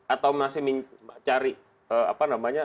atau masih mencari apa namanya